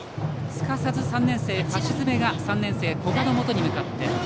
すかさず橋爪が３年生、古賀のもとに向かって。